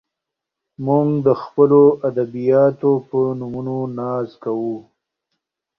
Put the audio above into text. موږ د خپلو ادیبانو په نومونو ناز کوو.